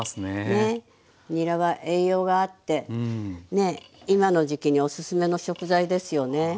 ねえにらは栄養があって今の時期におすすめの食材ですよね。